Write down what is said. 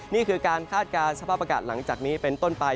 นี่คือการคาดการณ์สภาพอากาศหลังจากนี้เป็นต้นไป